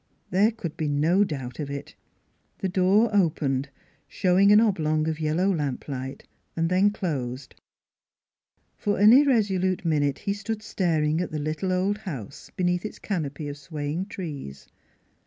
There could be no doubt of it. The door opened, showing an oblong of yellow lamplight; then closed. For an irresolute min ute he stood staring at the little old house be neath its canopy of swaying trees.